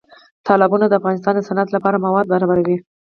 تالابونه د افغانستان د صنعت لپاره مواد برابروي.